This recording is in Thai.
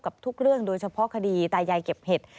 กับทุกเรื่องโดยเฉพาะคดีตายายเก็บเห็ด